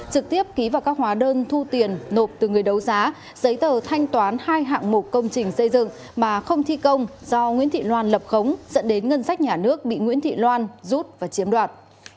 trực tiếp ký vào các hóa đơn thu tiền nộp từ người đấu giá giấy tờ thanh toán hai hạng mục công trình xây dựng mà không thi công do nguyễn thị loan lập khống dẫn đến ngân sách nhà nước bị nguyễn thị loan rút và chiếm đoạt